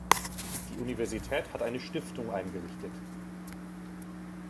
Die Universität hat eine Stiftung eingerichtet.